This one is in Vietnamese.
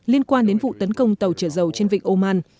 liên quan đến vụ tấn công tàu trở dầu trên vịnh oman